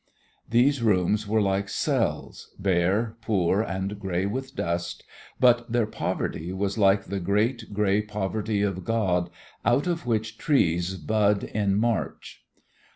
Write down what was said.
These rooms were like cells, bare, poor and grey with dust, but their poverty was like the great, grey poverty of God out of which trees bud in March.